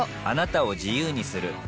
あなたを自由にする